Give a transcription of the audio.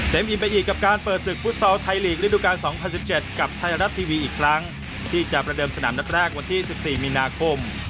อิ่มไปอีกกับการเปิดศึกฟุตซอลไทยลีกระดูกาล๒๐๑๗กับไทยรัฐทีวีอีกครั้งที่จะประเดิมสนามนัดแรกวันที่๑๔มีนาคม